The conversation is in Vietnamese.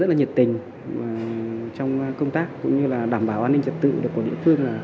rất là nhiệt tình trong công tác cũng như là đảm bảo an ninh trật tự của địa phương